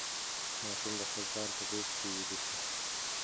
ماشوم د خپل پلار په غېږ کې ویده شو.